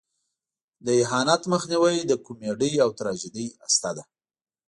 د اهانت مخنیوی د کمیډۍ او تراژیدۍ هسته ده.